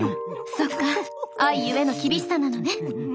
そっか愛ゆえの厳しさなのね。